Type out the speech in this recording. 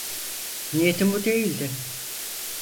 Niyetim bu değildi.